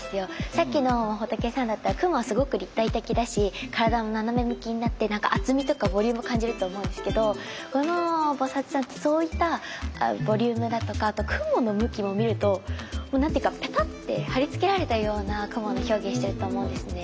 さっきの仏さんだったら雲はすごく立体的だし体も斜め向きになって厚みとかボリュームを感じると思うんですけどこの菩さんってそういったボリュームだとかあと雲の向きも見ると何て言うかペタってはりつけられたような雲の表現をしてると思うんですね。